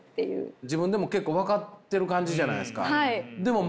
自分でも結構分かってる感じじゃないですか？